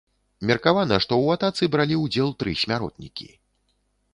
Меркавана, што ў атацы бралі ўдзел тры смяротнікі.